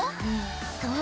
そう。